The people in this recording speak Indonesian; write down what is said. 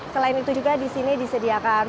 selain itu juga di sini disediakan